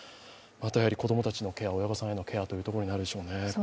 やはり子供たちのケア、親御さんへのケアというところになるでしょうね。